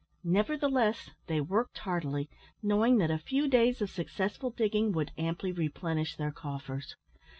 Nevertheless, they worked heartily, knowing that a few days of successful digging would amply replenish their coffers.